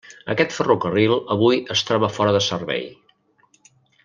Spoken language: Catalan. Aquest ferrocarril avui es troba fora de servei.